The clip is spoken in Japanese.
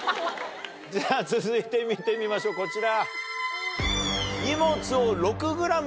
じゃ続いて見てみましょうこちら。